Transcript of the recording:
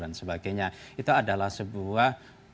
dan sebagainya itu adalah sebuah